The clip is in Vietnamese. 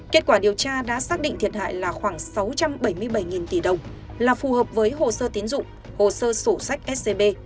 kết quả điều tra đã xác định thiệt hại là khoảng sáu trăm bảy mươi bảy tỷ đồng là phù hợp với hồ sơ tiến dụng hồ sơ sổ sách scb